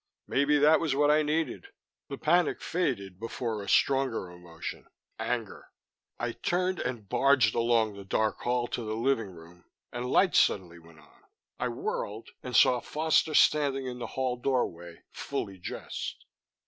Maybe that was what I needed. The panic faded before a stronger emotion anger. I turned and barged along the dark hall to the living room and lights suddenly went on. I whirled and saw Foster standing in the hall doorway, fully dressed.